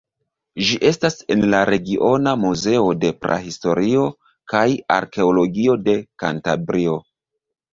Ĝi estas en la Regiona Muzeo de Prahistorio kaj Arkeologio de Kantabrio.